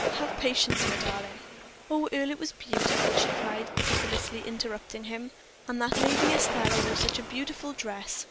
Have patience, my darling!" "Oh, Earle, it was so beautiful!" she cried, pitilessly interrupting him; "and that Lady Estelle wore such a beautiful dress!